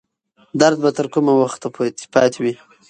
درد به تر کومه وخته پاتې وي؟